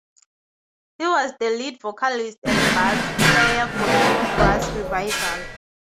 He was the lead vocalist and bass player for the New Grass Revival.